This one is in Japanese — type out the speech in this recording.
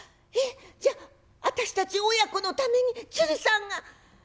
「えっじゃあ私たち親子のために鶴さんが？」。